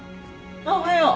あっおはよう。